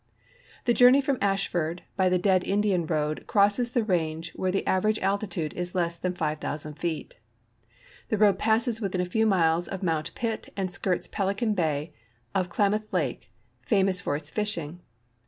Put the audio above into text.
The journey from Ashland by the Dead Indian road crosses the range where the average altitude is less than 5,000 feet. The road passes within a few miles of Mount Pitt and skirts Pelican bay of Klamath lake, famous for its fishing.